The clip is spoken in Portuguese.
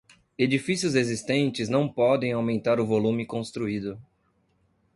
Edifícios existentes não podem aumentar o volume construído.